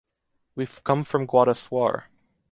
We come from Guadassuar.